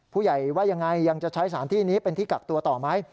ผู้ใหญ่ว่ายังไงยังจะใช้สถานที่นี้เป็นที่กักตัวต่อไหม